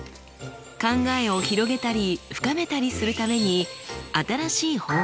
考えを広げたり深めたりするために新しい方法